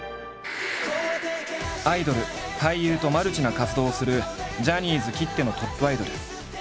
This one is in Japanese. アイドル俳優とマルチな活動をするジャニーズきってのトップアイドル。